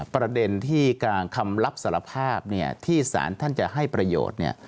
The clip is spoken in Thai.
ประเด็นที่กลางคำรับสารภาพที่สารท่านจะให้ประโยชน์เนี่ย